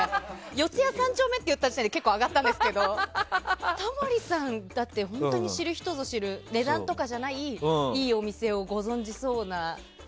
四谷３丁目って言った時点で結構上がったんですけどタモリさんって本当に知る人ぞ知る値段とかじゃないいいお店をご存じそうな